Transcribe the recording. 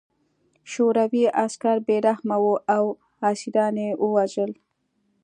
شوروي عسکر بې رحمه وو او اسیران یې وژل